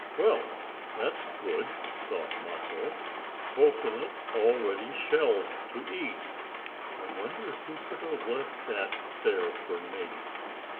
"Well, that's good!" thought Mappo. "Cocoanut already shelled to eat. I wonder who could have left that there for me.